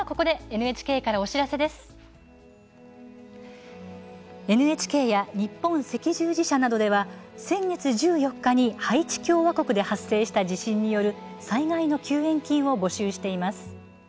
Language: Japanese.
ＮＨＫや日本赤十字社などでは先月１４日にハイチ共和国で発生した地震による災害の救援金を募集しています。